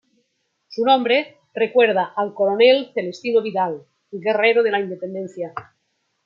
Su nombre recuerda al coronel Celestino Vidal, guerrero de la independencia.